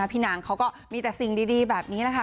พี่นางเขาก็มีแต่สิ่งดีแบบนี้แหละค่ะ